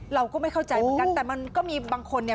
เราก็ไม่เข้าใจเหมือนกันแต่มันก็มีบางคนเนี่ย